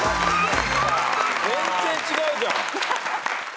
全然違うじゃん。